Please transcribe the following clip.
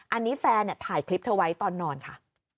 อันนี้แฟนถ่ายคลิปเธอไว้ตอนนอนค่ะ